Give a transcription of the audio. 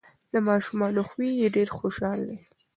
د ماشومانو خوی یې ډیر خوشحال دی.